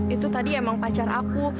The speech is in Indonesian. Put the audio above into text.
itu tadi emang pacar aku